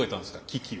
危機を。